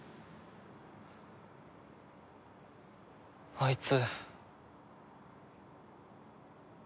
あいつ。